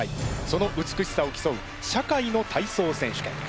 その美しさを競う「社会の体操選手権」。